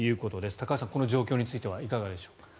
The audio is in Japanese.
高橋さん、この状況についてはいかがでしょうか。